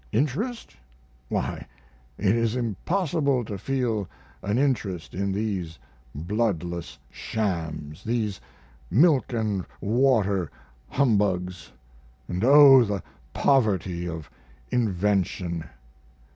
Interest? Why, it is impossible to feel an interest in these bloodless shams, these milk & water humbugs. And oh, the poverty of invention!